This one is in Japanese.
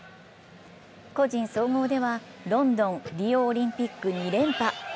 個人総合ではロンドン、リオオリンピック２連覇。